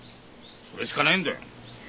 それしかねえんだよ。